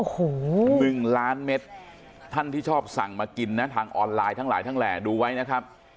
โอ้โห๑ล้านเม็ดท่านที่ชอบสั่งมากินนะทางออนไลน์ทั้งหลายทั้งแหล่ดูไว้นะครับ